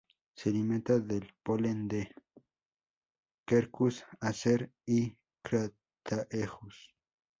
Se alimenta del polen de "Quercus", "Acer" y "Crataegus".